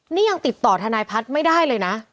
นี่ยังติดต่อทนายพัฒน์ไม่ได้เลยนะ